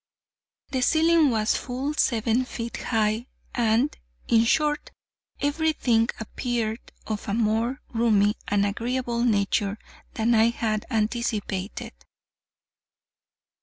The ceiling was full seven feet high, and, in short, every thing appeared of a more roomy and agreeable nature than I had anticipated.